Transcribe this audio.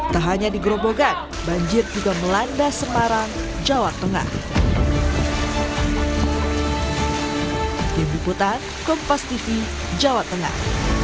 tak hanya di gerobogan banjir juga melanda semarang jawa tengah